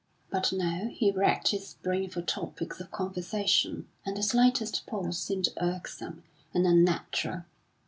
But now he racked his brain for topics of conversation, and the slightest pause seemed irksome and unnatural.